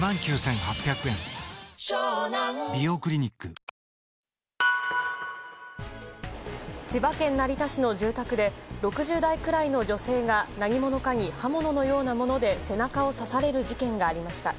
皆さんも今から参加できますので千葉県成田市の住宅で６０代くらいの女性が何者かに刃物のようなもので背中を刺される事件がありました。